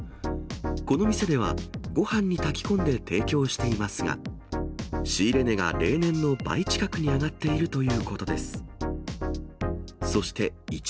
この店では、ごはんに炊き込んで提供していますが、仕入れ値が例年の倍近くに上がっているということです。